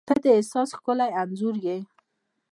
• ته د احساس ښکلی انځور یې.